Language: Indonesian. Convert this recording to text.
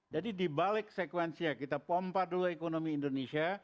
jadi di balik sekuensinya kita pompa dulu ekonomi indonesia